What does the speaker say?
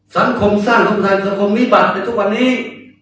สังคมสร้างสังคมมีบัตรอยู่ทุกปันนี้